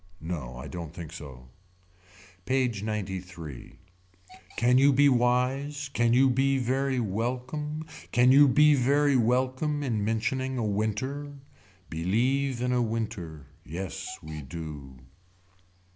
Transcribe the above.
No I don't think so. PAGE XCIII. Can you be wise. Can you be very welcome. Can you be very welcome in mentioning a winter. Believe in a winter. Yes we do.